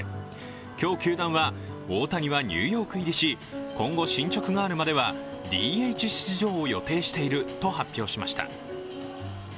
今日、球団は大谷はニューヨーク入りし今後、進捗があるまでは、ＤＨ出場を予定していると発表しました。